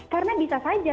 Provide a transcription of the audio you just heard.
karena bisa saja